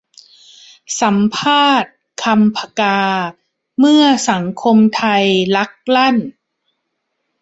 สัมภาษณ์ 'คำ ผกา' : เมื่อสังคมไทยลักลั่น